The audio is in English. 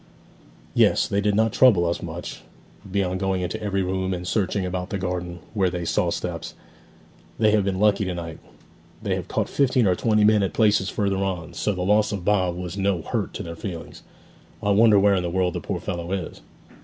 'Yes. They did not trouble us much, beyond going into every room, and searching about the garden, where they saw steps. They have been lucky to night; they have caught fifteen or twenty men at places further on; so the loss of Bob was no hurt to their feelings. I wonder where in the world the poor fellow is!'